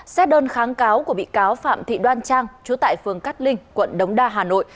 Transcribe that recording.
xét đơn kháng cáo của bị cáo phạm thị đoan trang chú tại phường cát linh quận đống đa hà nội